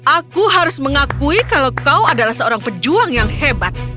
aku harus mengakui kalau kau adalah seorang pejuang yang hebat